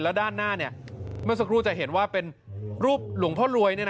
แล้วด้านหน้าเมื่อสักครู่จะเห็นว่าเป็นรูปหลวงพ่อรวย